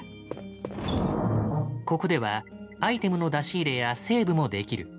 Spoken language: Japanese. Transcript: ここではアイテムの出し入れやセーブもできる。